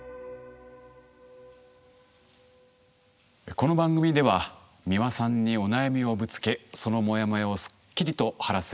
この番組では美輪さんにお悩みをぶつけそのモヤモヤをすっきりと晴らすヒントを頂きます。